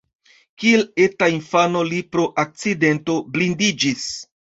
Kiel eta infano li pro akcidento blindiĝis.